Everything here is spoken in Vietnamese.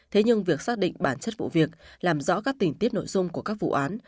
thế nhưng việc xác định bản chất vụ việc làm rõ các tình tiết nội dung của các vụ án